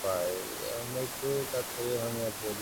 আমরা একটু কাজ করিয়াই ভাঙিয়া পড়ি।